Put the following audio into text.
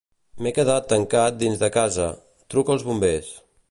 M'he quedat tancat dins de casa; truca als bombers.